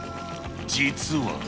実は。